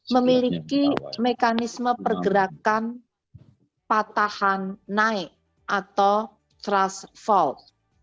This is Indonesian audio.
memiliki mekanisme pergerakan patahan naik atau thrust fault